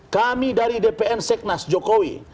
kami dari dpn seknas jokowi